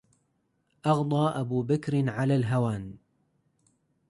أغضى أبو بكر على الهون